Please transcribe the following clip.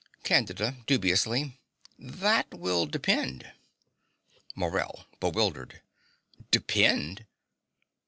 CANDIDA (dubiously). That will depend. MORELL (bewildered). Depend!